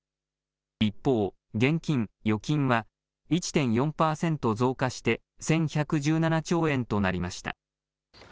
一方、現金・預金は１．４％増加して１１１７兆円となりました。